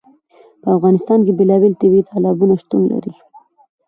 په افغانستان کې بېلابېل طبیعي تالابونه شتون لري.